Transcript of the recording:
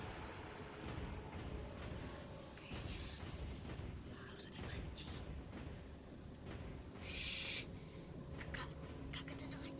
makanannya enak enak bajunya dari perancang yang profesional bukan baju bukas kayak gitu